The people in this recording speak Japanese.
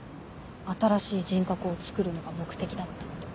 新しい人格をつくるのが目的だったって。